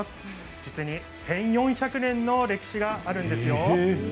実に１４００年の歴史があるんですよ。